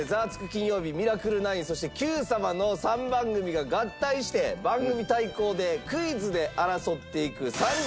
金曜日』『ミラクル９』そして『Ｑさま！！』の３番組が合体して番組対抗でクイズで争っていく。